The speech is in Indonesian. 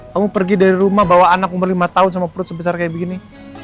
kamu pergi dari rumah bawa anak umur lima tahun sama perut sebesar kayak begini